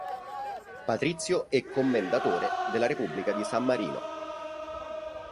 Patrizio e commendatore della Repubblica di San Marino.